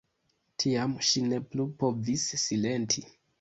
Tiam ŝi ne plu povis silenti.